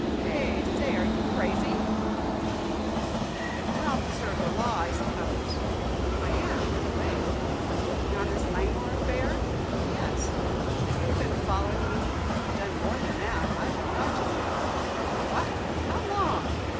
"Eh? Say, are you crazy?" "Not at all." "An officer of the law, I suppose." "I am in a way." "Working on this Langmore affair?" "Yes." "Have you been following me?" "I've done more than that I've been watching you." "What! How long?"